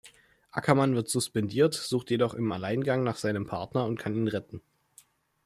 Ackerman wird suspendiert, sucht jedoch im Alleingang nach seinem Partner und kann ihn retten.